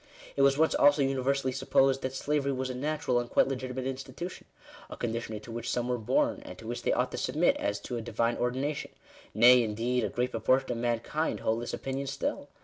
It was once also universally supposed that slavery was a natural and quite legitimate institution — a con dition into which some were born, and to which they ought to submit as to a Divine ordination ; nay, indeed, a great proportion of mankind hold this opinion still.